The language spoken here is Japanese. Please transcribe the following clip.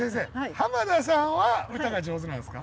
濱田さんは歌が上手なんですか？